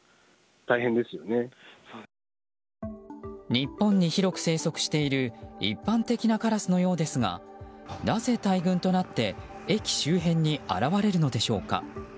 日本に広く生息している一般的なカラスのようですがなぜ大群となって駅周辺に現れるのでしょうか。